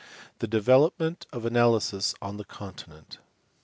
The development of analysis on the continent.